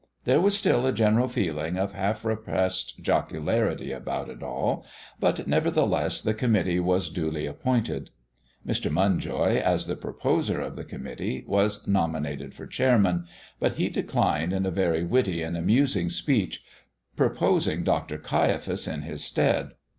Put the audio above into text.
There was still a general feeling of half repressed jocularity about it all, but, nevertheless, the committee was duly appointed. Mr. Munjoy, as the proposer of the committee, was nominated for chairman, but he declined in a very witty and amusing speech, proposing Dr. Caiaphas in his stead.